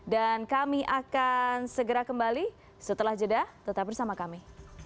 dan kami akan segera kembali setelah jeda tetap bersama kami